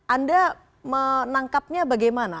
anda menangkapnya bagaimana